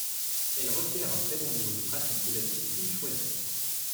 Elle requiert un très bon niveau de pratique de la discipline choisie.